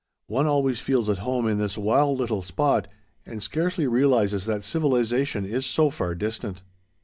One always feels at home in this wild little spot, and scarcely realizes that civilization is so far distant.